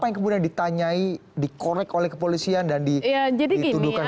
jadi ini kemudian ditanyai dikorek oleh kepolisian dan dituduhkan kepada anda